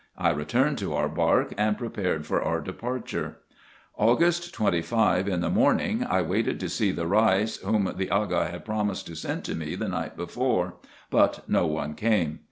I returned to our bark, and prepared for our departure. August 25, in the morning, I waited to see the Reis, whom the Aga had promised to send to me the night before ; but no one came.